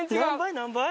何倍？